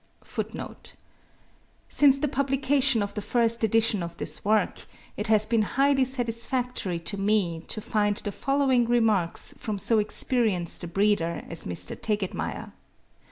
(37. Since the publication of the first edition of this work, it has been highly satisfactory to me to find the following remarks (the 'Field,' Sept. 1872) from so experienced a breeder as Mr. Tegetmeier.